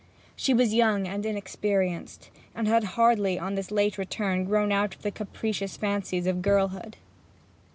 She was young and inexperienced, and had hardly on his late return grown out of the capricious fancies of girlhood.